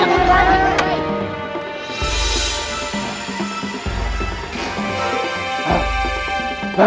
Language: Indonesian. tangkap harimau itu